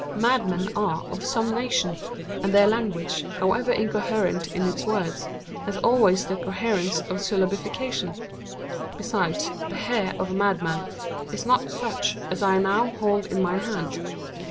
Madmen are of some nation, and their language, however incoherent in its words, has always the coherence of syllabification. Besides, the hair of a madman is not such as I now hold in my hand.